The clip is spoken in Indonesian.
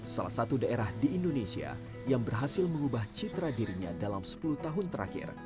salah satu daerah di indonesia yang berhasil mengubah citra dirinya dalam sepuluh tahun terakhir